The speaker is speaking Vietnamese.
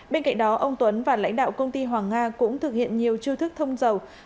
bên cạnh đó ông tuấn và lãnh đạo công ty hoàng nga cũng thực hiện nhiều chiêu thức thông dầu